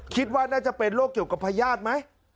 คิดว่าน่าจะเป็นโรคเกี่ยวกับพญาติไหม